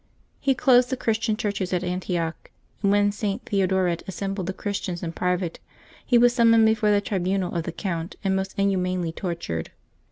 He closed the Christian churches at Antioch, and when St. Theodoret assembled the Christians in private, he was summoned before the tribunal of the Count and most inhumanly tortured.